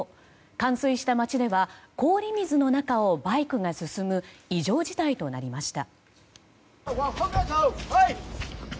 冠水した街では氷水の中をバイクが進む異常事態となりました。